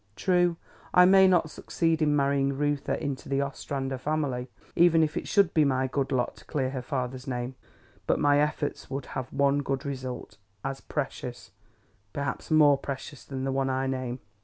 True, I may not succeed in marrying Reuther into the Ostrander family, even if it should be my good lot to clear her father's name; but my efforts would have one good result, as precious perhaps more precious than the one I name.